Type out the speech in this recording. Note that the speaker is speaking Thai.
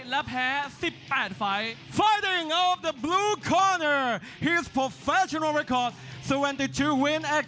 และแพ้๑๘ไฟล์